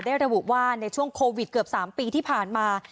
ระบุว่าในช่วงโควิดเกือบ๓ปีที่ผ่านมา